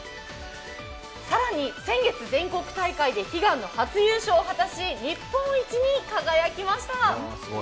更に、先月、全国大会で悲願の初優勝を果たし日本一に輝きました。